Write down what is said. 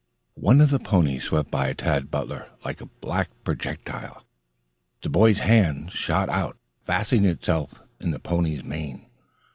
One of the ponies swept by Tad Butler like a black projectile. The boy's hand shot out, fastening itself in the pony's mane.